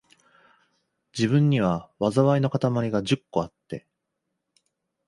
自分には、禍いのかたまりが十個あって、